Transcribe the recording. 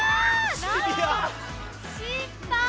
失敗！